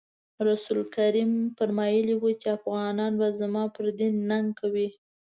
رسول کریم فرمایلي وو چې افغانان به زما پر دین ننګ کوي.